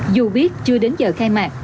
dù biết chưa đến giờ khai mạc